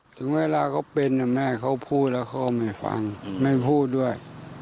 ถึงเวลาเขาเป็นแม่เขาพูดแล้วเขาก็ไม่ฟังไม่พูดด้วย